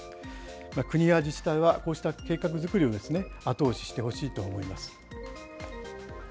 国や自治体はこうした計画作りを後押ししてほしいと思います。